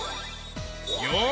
よし！